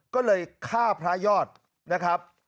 ก็เลยฆ่าพระยอดนะครับ